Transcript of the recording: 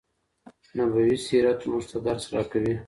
نبوي سیرت موږ ته درس راکوي.